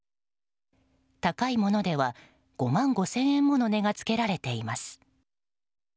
高いものでは５万５０００円もの値がつけられています。